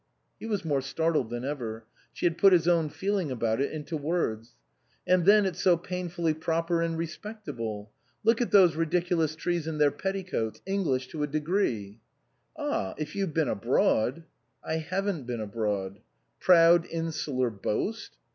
He was more startled than ever ; she had put his own feeling about it into words. " And then, it's so painfully proper and re spectable. Look at those ridiculous trees in their petticoats. English to a degree." " Ah ! if you've been abroad "" I haven't been abroad." " Proud insular boast